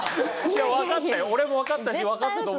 いやわかったよ。